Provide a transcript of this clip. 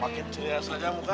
paket ceria saja muka